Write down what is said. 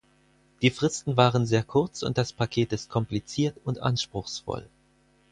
Die Fristen waren sehr kurz und das Paket ist kompliziert und anspruchsvoll.